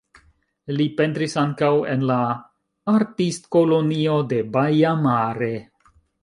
Li pentris ankaŭ en la Artistkolonio de Baia Mare.